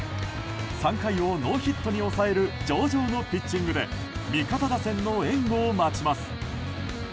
３回をノーヒットに抑える上々のピッチングで味方打線の援護を待ちます。